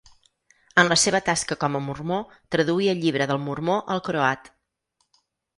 En la seva tasca com a mormó traduí el Llibre del Mormó al croat.